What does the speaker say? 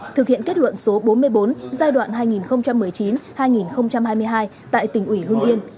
thực hiện kết luận số bốn mươi bốn giai đoạn hai nghìn một mươi chín hai nghìn hai mươi hai tại tỉnh ủy hương yên